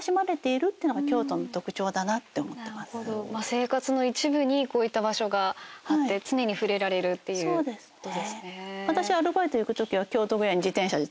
生活の一部にこういった場所があって常に触れられるっていうことですね。